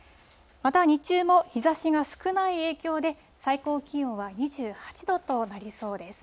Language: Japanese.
また、日中も日ざしが少ない影響で、最高気温は２８度となりそうです。